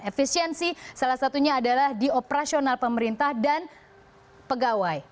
efisiensi salah satunya adalah di operasional pemerintah dan pegawai